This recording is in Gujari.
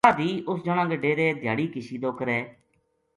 واہ دھی اُس جنا کے ڈیرے دھیاڑی کشیدو کرے